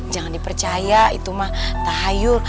jangan dipercaya itu mah tahayu